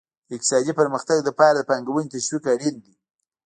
د اقتصادي پرمختګ لپاره د پانګونې تشویق اړین دی.